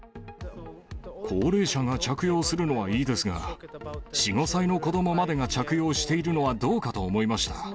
高齢者が着用するのはいいですが、４、５歳の子どもまでが着用しているのはどうかと思いました。